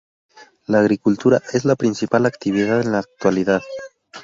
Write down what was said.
La agricultura es la principal actividad en la actualidad.